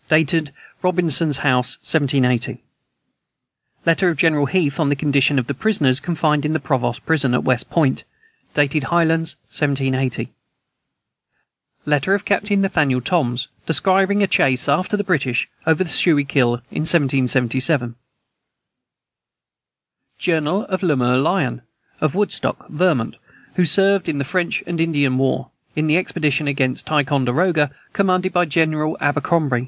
Dated Robintson's House, 1780. Letter of General Heath on the condition of the prisoners confined in the Provost prison, at West Point. Dated Highlands, 1780. Letter of Captain Nathaniel Toms, describing a chase after the British over the Schuylkill in 1777. Journal of Lemuel Lyon, of Woodstock, Vermont, who served in the French and Indian war, in the expedition against Ticonderoga, commanded by General Abercrombie.